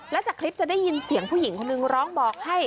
แล้วจากคลิปจะได้ยินเสียงผู้หญิงคนนึงร้องบอกให้